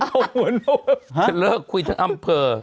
ชั้นเลิกคุยถึงอำเผิน